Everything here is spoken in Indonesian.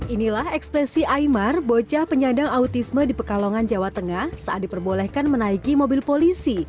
inilah ekspresi aymar bocah penyandang autisme di pekalongan jawa tengah saat diperbolehkan menaiki mobil polisi